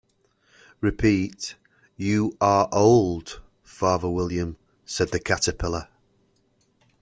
‘Repeat, “You are old, Father William,”’ said the Caterpillar.